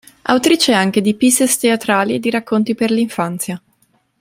Autrice anche di pièces teatrali e di racconti per l'infanzia.